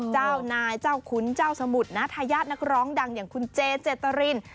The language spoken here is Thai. เจ้านายเจ้าขุนเจ้าสมุทรนะทายาทนักร้องดังอย่างคุณเจเจตริน